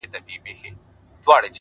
خدایه دا څه کیسه وه” عقيدې کار پرېښود”